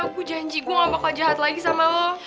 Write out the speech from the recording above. gue janji gue gak bakal jahat lagi sama lo